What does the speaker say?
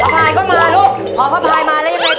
พระภายก็มาลูกพอพระภายมาแล้วยัง้ต่อ